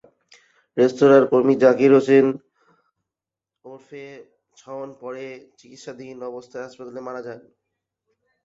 রেস্তোরাঁর কর্মী জাকির হোসেন ওরফে শাওন পরে চিকিৎসাধীন অবস্থায় হাসপাতালে মারা যান।